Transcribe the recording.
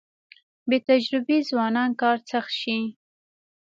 بې تجربې ځوانان کار سخت شي.